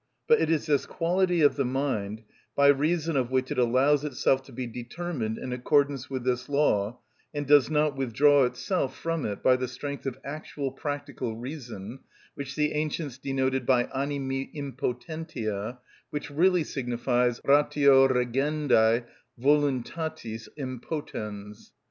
But it is this quality of the mind, by reason of which it allows itself to be determined in accordance with this law, and does not withdraw itself from it by the strength of actual practical reason, which the ancients denoted by animi impotentia, which really signifies ratio regendæ voluntatis impotens.